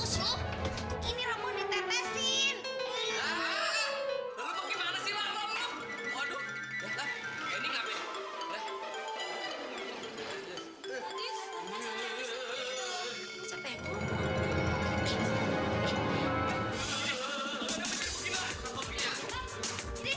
cepi lebih biar biar gak gojol lagi